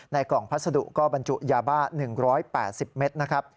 ในกล่องพัสดุก็บรรจุยาบ้า๑๘๐เมตร